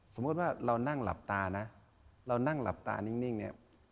สมมุติว่าเรานั่งหลับตานะเรานั่งหลับตานิ่งเนี่ย